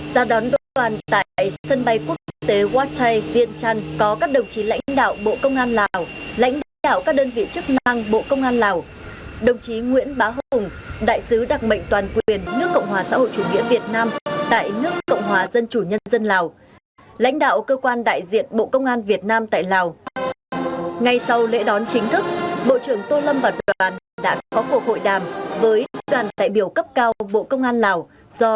giao đón đoàn tại sân bay quốc tế wattai viên trăn có các đồng chí lãnh đạo bộ công an lào lãnh đạo các đơn vị chức năng bộ công an lào đồng chí nguyễn bá hùng đại sứ đặc mệnh toàn quyền nước cộng hòa xã hội chủ nghĩa việt nam tại nước cộng hòa dân chủ nhân dân lào lãnh đạo cơ quan đại diện bộ công an việt nam tại lào